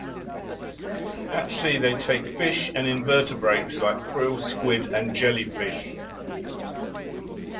At sea, they take fish and invertebrates like krill, squid and jellyfish.